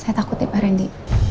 saya takut ya pak rendy